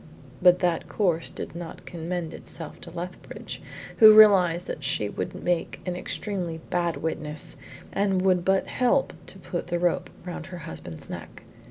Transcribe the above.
But that course did not commend itself to Lethbridge, who realised that she would make an extremely bad witness and would but help to put the rope round her husband's neck.